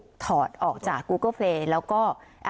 คุณประสิทธิ์ทราบรึเปล่าคะว่า